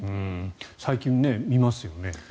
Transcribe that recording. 最近、見ますよね。